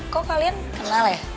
kok kalian kenal ya